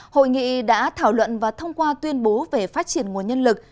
hội nghị đã thảo luận và thông qua tuyên bố về phát triển nguồn nhân lực